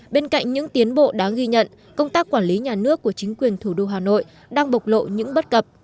bên cạnh những tiến bộ đáng ghi nhận công tác quản lý nhà nước của chính quyền thủ đô hà nội đang bộc lộ những bất cập